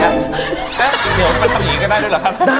เดี๋ยวเราจะไปทำอย่างนี้ได้ด้วยหรอพ่าพ่า